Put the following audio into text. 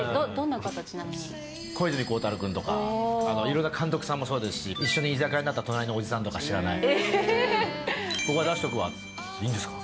どんな方、小泉孝太郎くんとか、いろんな監督さんもそうですし、一緒に居酒屋で会った隣のおじさんとか、知らない。